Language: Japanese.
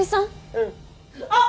うんあっ！